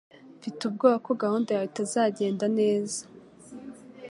Mfite ubwoba ko gahunda yawe itazagenda neza